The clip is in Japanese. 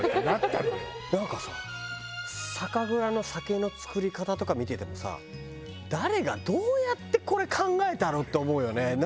なんかさ酒蔵の酒の作り方とか見ててもさ誰がどうやってこれ考えたの？って思うよね。